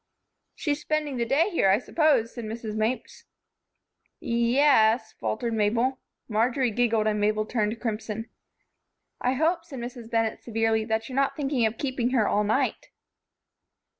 "She's spending the day here, I suppose," said Mrs. Mapes. "Ye es," faltered Mabel. Marjory giggled, and Mabel turned crimson. "I hope," said Mrs. Bennett, severely, "that you're not thinking of keeping her all night."